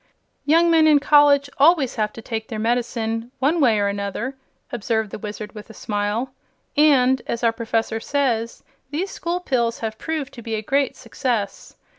"Young men in college always have to take their medicine, one way or another," observed the Wizard, with a smile; "and, as our Professor says, these School Pills have proved to be a great success.